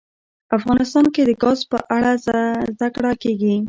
افغانستان کې د ګاز په اړه زده کړه کېږي.